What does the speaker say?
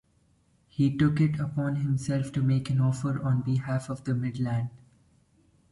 He took it upon himself to make an offer on behalf of the Midland.